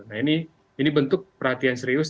nah ini bentuk perhatian serius